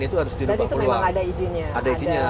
itu harus dirubah jadi itu memang ada izinnya